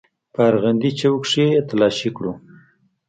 په ارغندې چوک کښې يې تلاشي کړو.